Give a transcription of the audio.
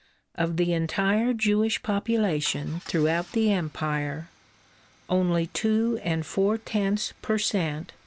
Of the entire Jewish population throughout the Empire, only two and four tenths per cent.